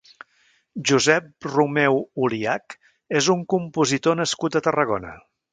Josep Romeu Oliach és un compositor nascut a Tarragona.